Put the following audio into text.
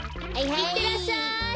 いってらっしゃい。